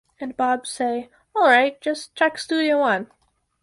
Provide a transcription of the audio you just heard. And Bob say, 'All right, just check Studio One.